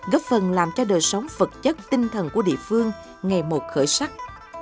góp phần làm cho đời sống vật chất tinh thần của địa phương ngày một khởi sắc